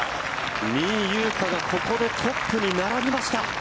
仁井優花がここでトップに並びました。